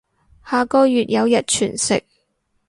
下個月有日全食